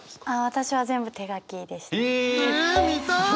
私は全部手書きでした。